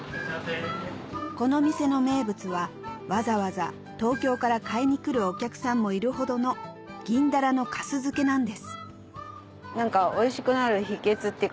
この店の名物はわざわざ東京から買いに来るお客さんもいるほどの銀ダラの粕漬けなんですおいしくなる秘訣っていうか。